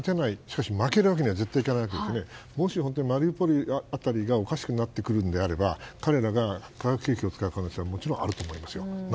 ただ負けるわけにもいかないのでもしマリウポリ辺りがおかしくなってくるのであれば彼らが化学兵器を使う可能性はあると思います。